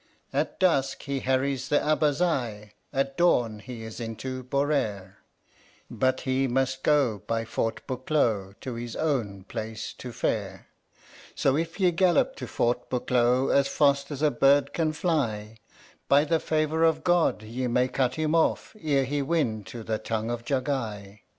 "At dusk he harries the Abazai at dawn he is into Bonair, But he must go by Fort Bukloh to his own place to fare, So if ye gallop to Fort Bukloh as fast as a bird can fly, By the favour of God ye may cut him off ere he win to the Tongue of Jagai.